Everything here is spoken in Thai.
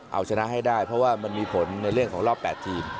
เอาชนะให้ได้เพราะว่ามันมีผลในเรื่องของรอบ๘ทีม